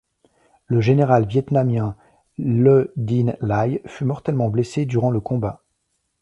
Le général vietnamien Le Dinh Lai fut mortellement blessé durant le combat.